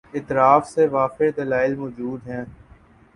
اطراف سے وافر دلائل مو جود ہیں۔